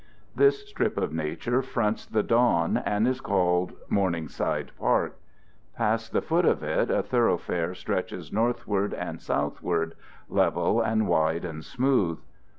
This strip of nature fronts the dawn and is called Morningside Park. Past the foot of it a thoroughfare stretches northward and southward, level and wide and smooth.